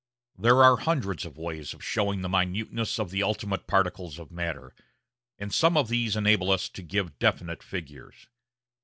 There are a hundred ways of showing the minuteness of the ultimate particles of matter, and some of these enable us to give definite figures.